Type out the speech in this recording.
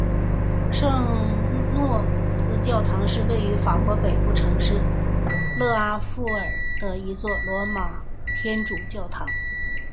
圣若瑟教堂是位于法国北部城市勒阿弗尔的一座罗马天主教的教堂。